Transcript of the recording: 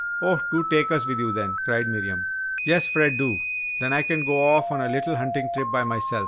"Oh, do take us with you then," cried Miriam. "Yes, Fred, do! Then I can go off on a little hunting trip by myself?"